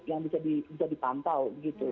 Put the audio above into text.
yang bisa dipantau